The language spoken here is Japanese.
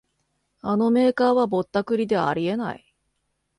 あのメーカーはぼったくりであり得ない